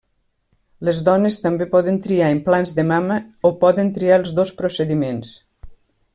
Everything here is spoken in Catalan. Les dones també poden triar implants de mama o poden triar els dos procediments.